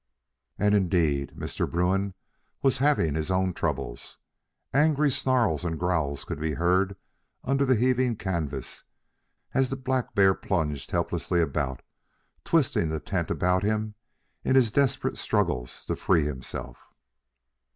And, indeed, Mr. Bruin was having his own troubles. Angry snarls and growls could be heard under the heaving canvas as the black bear plunged helplessly about, twisting the tent about him in his desperate struggles to free himself.